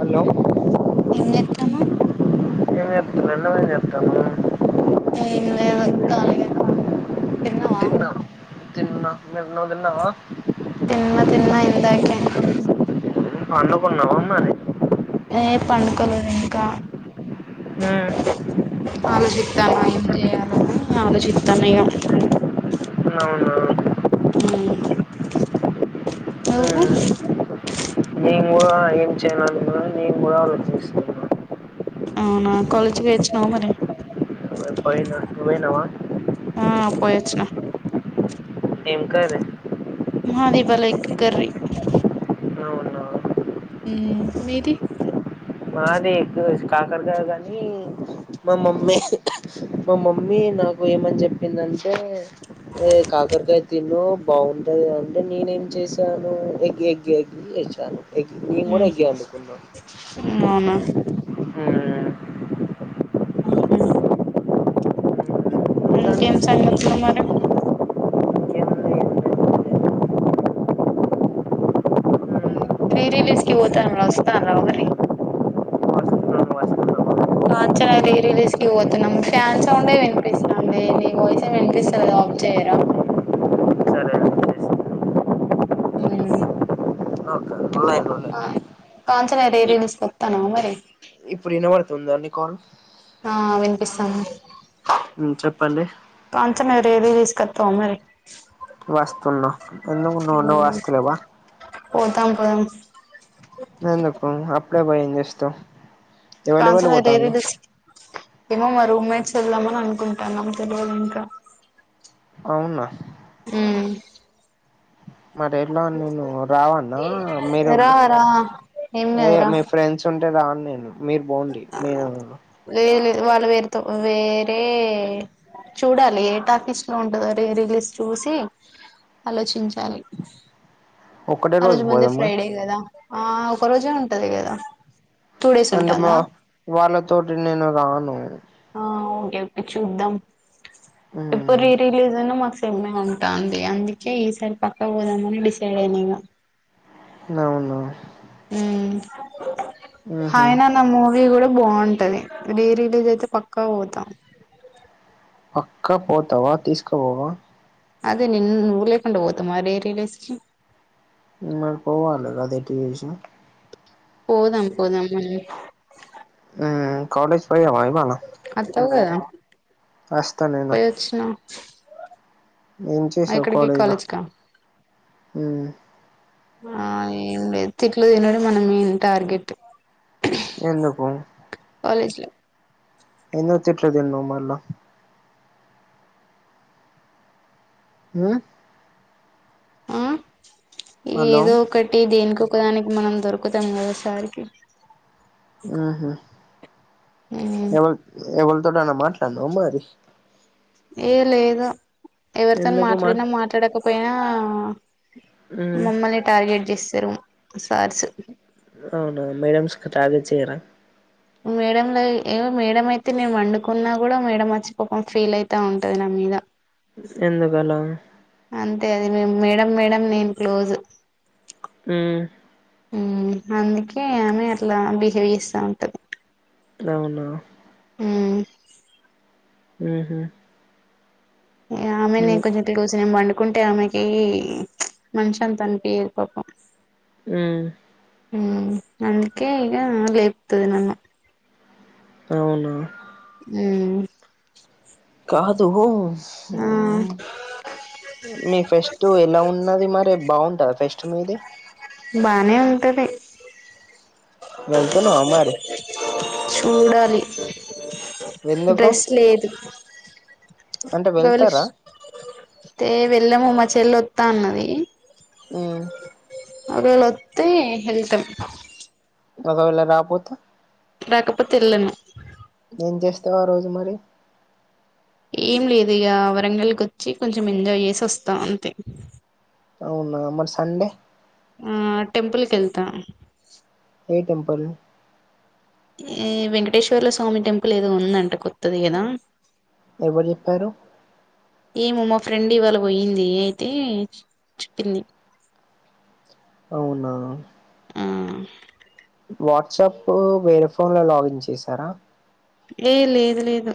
Hello ఏం చెత్తన్నావ్ [unintelligible] ఎం లేదు కలగానే తిన్నావా? తి మరున్న నువ్ తన్నావా తిన్నా తిన్నా ఇందాకే అన్న పన్నుకొన్నావా మరి ఏ పండుకోపోరి ఇంకా ఆ చేయాల ఆలోచితనేగా అవునువు నవు నేను కూడా ఏం చేయనినీ నేను కూడా అళ చేస్తున్నాను అవునా కోలేజ్ వచ్చినవు మరి పోనా నువ్ పోయినవా ఆ పోయొచ్చిన ఇంకా మాదివ్వాలా ఎగ్ కర్రీ అవునా మీది మాదే ఎక్కు కాగా కాగాని మా మమ్మీ మా మమ్మీ నాకు ఏమని చెప్పిందంటే కాకరకాయ తిను బాగుంటంది అంటే నేనేం చేశాను ఎగ్గి ఎగ్గి ఎగ్గి చేసాను మేం గూడా ఎగ్ ఎండునుకున్నాం అవును [unintelligible] [unintelligible] ఇంకేం సంగతుల మరి రి రిలీజకి పోత మ వస్తా మరి వస్తున్నాను వస్తున్నాను కాంచన రీ రిలీజ్కి పోతున్నం ఫ్యాన్ సౌండే వినిపిస్తాందే నీ వాయిస్ ఏం వినిపిస్తలే ఆఫ్ జెయరా సరే అండి, చేస్తాను. ఊ ఓకే లైన్లో ఆ ఉండండి. కాంచన రీ ఇ- రిలీజ్కొత్తానవా మరి ఉందర్ నికాలొ ఆ వినిపిస్తాన్ ఉమ్ చెప్పండి డైరీ తీసుకత్తవా మరి వస్తున్నా ఎందుకు నువు నువస్తలేవ్వా పోతాం పోదం ఎందుకు అప్పుడే బొయేంజేస్తవ్ కాంచన డైరీ దిస్ ఏమో మరి ఉమేచొల్లమ్మననుకుంటన్నం తెలువదింక అవున ఊ మరేన్నో నేను రావన్నా మీరే రా ఉండ్ రా ఏం ఏ లేదు రా మీ ఫ్రెండ్స్ ఉంటె రాన్ నేను మీరు బోండి నేను వాళ్లు వేర్తో వేరే చూడాలి ఏ టాకిస్ లో ఉంటదో రీ రిలీస్ చూసి ఆలోచిం చలి ఒక్కటే ఆ రోజు ముందే పోదామా ఫ్రైడే గదా ఆ ఒక రోజే ఉంటది గదా టూ డే అంటె మా వాళ్ళతోటి నేను రాను ఆ ఓకే ఓకే చూద్దాం ఎప్పుడ్ మ్మ్ రీ రిలీజున్న మ ఉంటుంది అందుకే ఈసారి పక్క పోదామని డిసైడ్ అయినా నవునా ఊ మ్మ్ హ్మ్ అయినా నా మూవి గూడ బావుంటది రీ రిలీజయితే పక్కా పోతా పక్కా పోతవా తీస్కపోవా అదే నిన్ నువ్వు లేకుండ పోతమా రీ రిలీజ్ కి మనం పోవాలె కదెటు జేషిన పోదాం పొదం మళ్ళి ఉమ్ కాలేజ్ పయినవా ఇవ్వాళ త్తవ్ గదా అస్త నేను ఏం అ చేసావు ఎక్కడికి కాలేజ్ లా కాలెజ్కా ఉమ్ ఏం లేదు తిట్లు దినడం మన మెయిన్ టార్గెట్ ఎందుకు కాలేజ్ లో ఎందుకు తిట్లు దిన్నవ్ మళ్ళ ఊ ఆ హలో ఏదో ఒకటి దేనికొకదానికి మనం దొరుకుతం గదా సారికి ఉహు ఊ ఎవల్ ఎవల్తోటన్న మాట్లాడ్నవా మరి ఏ లేదు ఎవరితొన్ ఎందుకు మాట్ మాట్లాడినా మాట్లాడకపొయినా ఉమ్ మమ్మల్నే టార్గెట్ జెస్తరు అవునా మేడంమ్స్క్ టార్గెట్ చేయరా మేడంలయి ఏమో మేడం అయితే నెన్ వండుకున్నా గుడా మేడమచ్చి పపం ఫీలయితా ఉంటది నా మీద ఎందుకలా అంతే అది మేం మేడం మేడం నేను క్లోజు ఊ ఉమ్మ్మ్ అందుకే ఆమె అట్లా బిహేవ్ చేస్తా ఉంటది అవున ఉ ఉహూ ఆమెనే కొంచెం క్లోజ్ ఏం పండు కుంటే ఆమెకి మనశాంతి అనిపియ్యదు పాపం ఉ ఉ అందుకే ఈగ లేపుతది నన్ను అవున ఉ కాదు ఆ మీ ఫెస్ట్ ఎలా ఉన్నది మరిే బాగ ట ఫెస్ట్ మీది బానే ఉంటది వెళ్తున్నావా మరి చూడాలి ఎందుకు డ్రెస్ లేదు అంటే వెళ్తారా గొలుసు తే వెళ్ళము మా చెల్లె వస్తా అన్నది ఉ ఒకవేళ వస్తే వెళ్తాం ఒకవేళ రాకపోతే రాకపోతే ఎల్లను ఏం చేస్తావు ఆ రోజు మరి ఏం లేదు ఇక వరంగల్కి వచ్చి కొంచెం ఎంజాయ్ చేసి వస్తాం అంతే అవునా మరి సండే ఆ టెంపుల్ కి వెళ్తా ఏ టెంపల్ ఈ వెంకటేశ్వర్ల స్వామి టెంపుల్ ఏదో ఉందంట కొత్తది కదా ఎవరు చెప్పారు ఏమో మా ఫ్రెండ్ ఇవాళ పోయింది అయితే చెప్పింది అవునా ఆ వాట్సాప్ వేరే ఫోన్ లో లాగిన్ చేసారా ఏ లేదు లేదు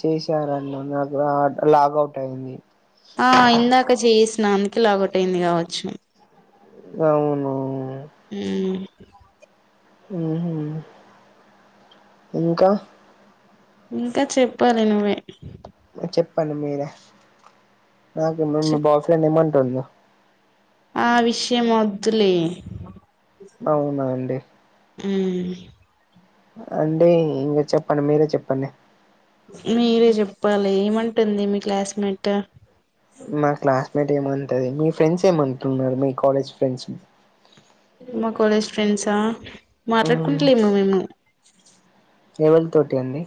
చేశారన్న నా నాకు లాగవుట్ అయింది స్నానికి లాగొటయింది కావచ్చు అవును ఉ ఉహు ఇంకా ఇంకా చెప్పాలి నువ్వే చెప్పండి మీరే నాకు మీ బాయ్ ఫ్రెండ్ ఏమంటుడు ఆ విషయం వద్దులే అవునా అండి ఉ అండి ఇంకా చెప్పండి మీరే చెప్పండి మీరే చెప్పాలి ఏమంటుంది మీ క్లాస్మేట్ మా క్లాస్మేట్ ఏమంటంది మీ ఫ్రెండ్స్ ఏమంటన్నారు మీ కాలేజ్ ఫ్రెండ్స్ మా కాలేజ్ ఫ్రెండ్సా మాట్లాడుకుంటలేము మేము ఏవల్ తోటి అండి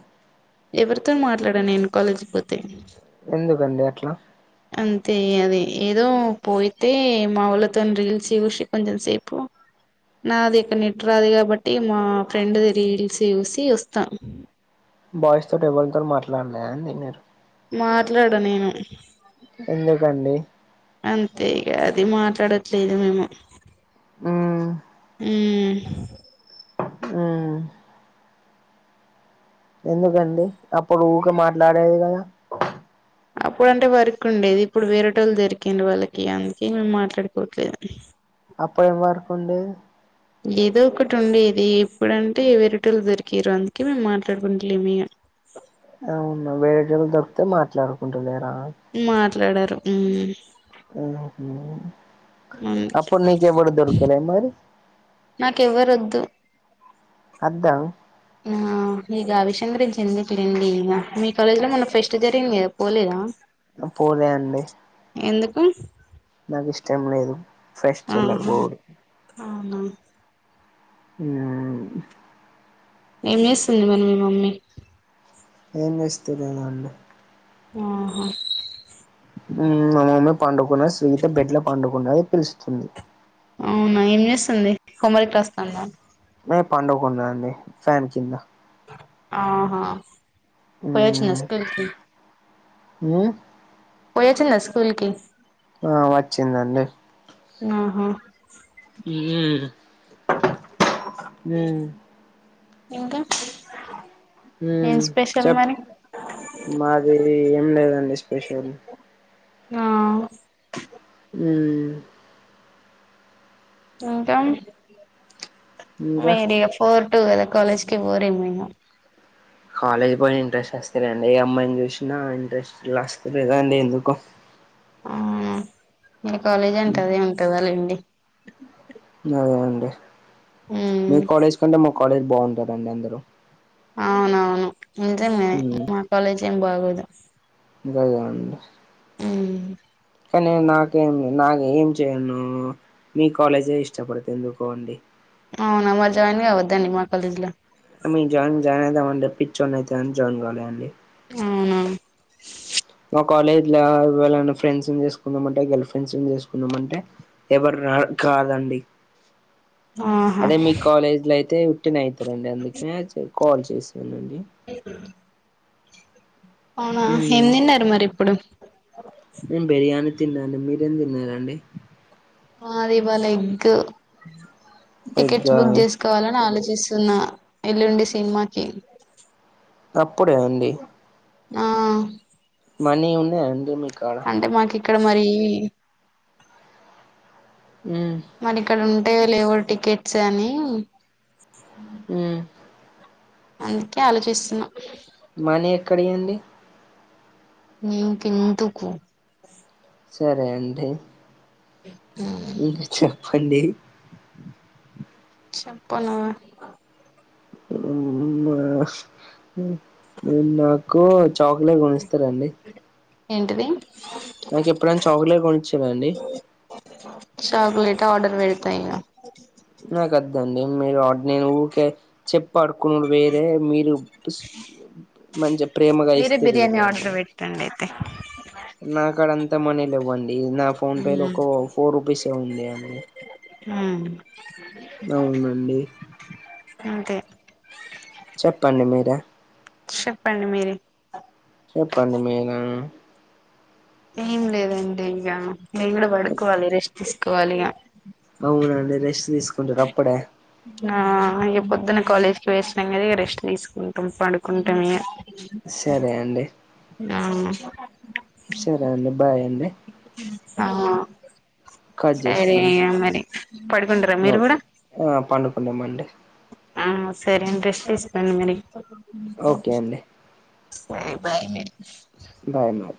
ఎవరితో మాట్లాడా నేను కాలేజీకి పోతే ఎందుకండి అట్లా అంతే అది ఏదో పోయితే మా వాఊళ్ళతో రీల్స్ చూసి కొంచెం సేపు నాది ఇక్కడ నెట్ రాదు కాబట్టి మా ఫ్రెండ్ది రీల్స్ చూసి వస్తా బాయ్స్ తోటి ఎవల్ తోని మాట్లాడన్నే అన్ దిన్నరు మాట్లాడా నేను ఎందుకండి అంతే ఇగ అది మాట్ డట్లేదు మేము హ్మ్ హ్మ్ హ్మ్ ఎందుకండి అప్పుడు ఊకే మాట్లాడేది కదా అప్పుడు అంటే వర్కు ఉండేది ఇప్పుడు వేరేటోళ్ళు దొరికిండు వాళ్ళకి ఇగ అందుకే మేము మాట్లాడుకోట్లేదు [unintelligible] పోయే వరక్ ఉండేది. ఏదో ఒకటి ఉండేది ఇప్పుడంటే వెరేట్టోలు దొరికిరు అందుకే మేము మాట్లాడుకుంటలేము ఇగ ఇళ్ దప్తే మాట్లాడుకుంటలేరా మాట్లాడరు మ్మ్ మ్ హు అందుకే అప్పుడు నీకు ఎవరు దొరకలే మరి నాకెవ్వరొద్దు అద్దం ఆ నీకు ఆ విషయం గురించి ఎందుకులేండి ఇగ మీ కాలేజ్ లో మొన్న ఫెస్ట్ జరిగింది కద పోలేదా అ పోలే అండి ఎందుకు నాకు ఇష్టం లేదు ఫెస్టులకు ఆహా పోవుడు అవునా మ్మ్ ఏం చేస్తుంది మరి మీ మమ్మీ ఏం చేస్తలే మా అమ్మ ఆహా మా మమ్మీ పండుకున్నది స్వీత బెడ్ల పండుకున్నది పిలుస్తుంది అవునా ఏం చేస్తుంది హోమ్ వర్క్ రస్తుంద మే పండుకున్న అండి ఫ్యాన్ కింద ఆహా పోయి వచ్చిన మ్మ్ స్కూల్ కి హ్మ్ పోయి వచ్చింద స్కూల్కి ఆ వచ్చిందండి ఆహా ఉమ్మ్ మ్ ఇంకా ఏం హ్మ్ స్పెషల్ చెప్ మరి మాది ఏం లేదండి స్పెషల్ ఆ మ్మ్మ్ ఇంకా ఇంకా మెడియఫోర్ టుద కాలేజ్కి పోరే ఏమో కాలేజ్ పోయే ఇంట్రెస్ట్ వస్తలేదు ఏ అమ్మాయిని చూసినా ఇంట్రెస్ట్ లస్తలేదు అండి ఎందుకో ఆ మీ కాలేజ్ అంటాది ఉంటదిలేండి లేదు అండి మీ ఉమ్ కాలేజ్ కంటే మా కాలేజ్ బాగుంటరండి అందరు అవునవును ఇంతే మరి మా కాలేజ్ ఏం బాగోదు ఇంకా లేవండి హ్మ్ కానీ నాకేం లే నాకు ఏం చెయ్యను మీ కాలేజే ఇష్టపడితా ఎందుకో అండి. అవునా, మంచిగ అయిందిగా వద్దండి మా కాలేజీ లో ఐ మీన్ జాయిన్ జాయిన్ అయిదామంటే పిచ్చోన్ని అయితాఅని జాయిన్గా లేదండి. అవునా? మా కాలేజ్ లో ఎవ్లన్న ఫ్రెండ్స్ ను చేసుకుందామంటే, గర్ల్ ఫ్రెండ్స్ ను చేసుకుందామంటే ఎవరు రారు. కాదండి [unintelligible] ఆహా అదే మీ కాలేజీ లో అయితే ఉట్టిన అవుతారండి. అందుకే కాల్ చేసి అ [unintelligible] మ్ తిన్నారు మరి ఇప్పుడు బిర్యానీ తిన్నానండి. మీరేం తిన్నారండి. మాది ఇవ్వాల ఎగ్. ఎగ్ టికెట్స్ ఆ బుక్ చేసుకోవాలని ఆలోచి స్తున్నా ఎల్లుండి సినిమాకి. అప్పుడే ఉండి ఆ మనీ ఉందా అండి మీ కాడ? అంటే మాకు ఇక్కడ మర్రి. మ్మ్ మరి ఇక్కడ ఉంటే, లేవు టికెట్స్ అని మ్ అందుకే ఆలోచిస్తున్నా మనీ ఎక్కడ వండి? నీ కెందుకు సరే అండి. ఇంకా చెప్పండి చెప్పను [unintelligible] మీరు నాకు చాక్లెట్ కొనిస్తారండి? ఏంటిది నాకు ఎప్పుడైనా చాక్లెట్ కొనిచ్చారండి? చాక్లెట్ ఆర్డర్ పెడతా ఇగ నా కొద్దండి. మీరు నేను ఊరికే చెప్ పడుకుండు వేరే మీరు పుస్ మంచిగా ప్రేమగా ఇస్తే వేరే అండి. యః నాకాడ అంత మనీ లేవండి. నా ఫోన్ పేలో మ్మ్ ఒక ఫోర్ రుపీస్. రుపీసే ఉంది అండి. ఉ అవునండి అంతే చెప్పండి మీరే చెప్పండి మీరే చెప్పండి మీనా? ఏం లేదండి. ఇంకా మేము కూడా పడుకోవాలి, రెస్ట్ తీసుకోవాలి ఇక అవునండి రెస్ట్ తీసుకుంటారు అప్పుడే ఆ ఇక పొద్దున కాలేజ్ కి పోయి వచ్చినాం కదా, ఇక రెస్ట్ తీసుకుంటాం. పడుకుంటాం ఇక సరే అండి మ్ హు సరే అండి బాయ్ అండి. ఆ కట్ సరే చేసుకోండి మరి పడుకుంటారా మీరు కూడా? అవునండి. ఆ సరే రెస్ట్ తీసుకోండి మరి. ఓకే అండి. సరే బాయ్ బాయ్ అండి